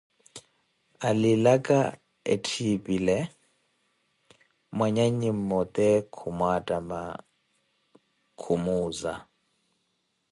Alilaka etthipile, mwanyannyi mmote khumwatama, khumuuza.